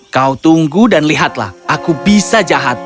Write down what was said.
kau tunggu dan lihatlah aku bisa jahat